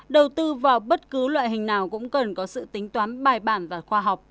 đầu tư vào bất cứ loại hình nào cũng cần có sự tính toán bài bản và khoa học